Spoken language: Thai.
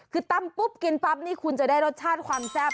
คือตำปุ๊บกินปั๊บนี่คุณจะได้รสชาติความแซ่บ